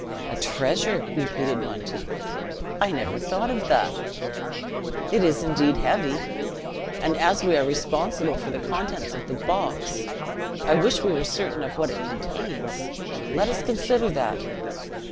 "A treasure!" repeated Monteith; "I never thought of that; it is indeed heavy! and, as we are responsible for the contents of the box, I wish we were certain of what it contains; let us consider that!"